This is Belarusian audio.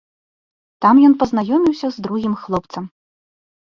Там ён пазнаёміўся з другім хлопцам.